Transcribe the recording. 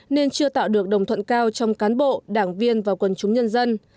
nên chưa tạo được đồng thuận cao trong cán bộ đảng viên và quần chúng nhân dân